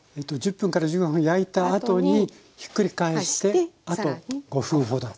１０分１５分焼いたあとにひっくり返してあと５分ほど。